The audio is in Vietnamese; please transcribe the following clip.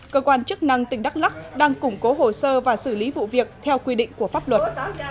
cơ quan chức năng tỉnh đắk lắc đang củng cố hồ sơ và xử lý vụ việc theo quy định của pháp luật